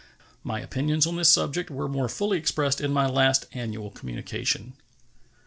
My opinions on this subject were more fully expressed in my last annual communication.